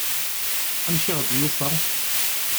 Amek i aɣ-d-yufa?